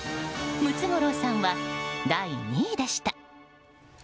ムツゴロウさんは第２位でした。